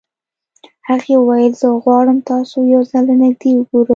هغې وويل زه غواړم تاسو يو ځل له نږدې وګورم.